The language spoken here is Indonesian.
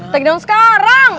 take down sekarang